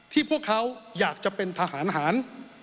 พวกเขาอยากจะเป็นทหารหาร